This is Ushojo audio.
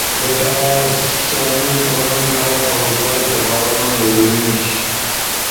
ڈیٹا شامل تھونو کارا پروفائل سپارونو ضروری نیش،